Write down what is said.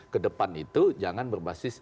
ke depan itu jangan berbasis